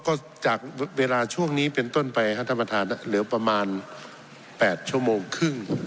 ก็จากเวลาช่วงนี้เป็นต้นไปครับท่านประธานเหลือประมาณ๘ชั่วโมงครึ่ง